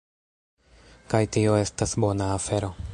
Kaj tio estas bona afero